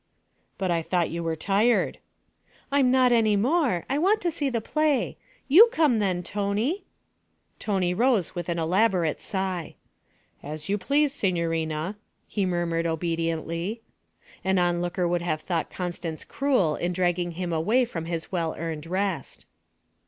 'But I thought you were tired.' 'I'm not any more; I want to see the play. You come then, Tony.' Tony rose with an elaborate sigh. 'As you please, signorina,' he murmured obediently. An onlooker would have thought Constance cruel in dragging him away from his well earned rest.